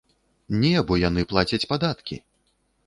Не, бо яны плацяць падаткі!